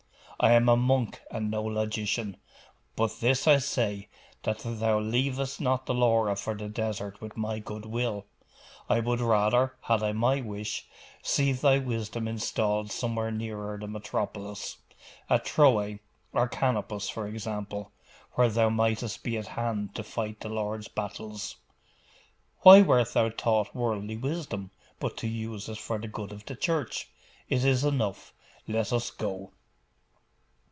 'I am a monk and no logician. But this I say, that thou leavest not the Laura for the desert with my good will. I would rather, had I my wish, see thy wisdom installed somewhere nearer the metropolis at Troe or Canopus, for example where thou mightest be at hand to fight the Lord's battles. Why wert thou taught worldly wisdom, but to use it for the good of the Church? It is enough. Let us go.